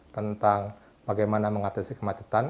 tentang bagaimana mengatasi kemacetan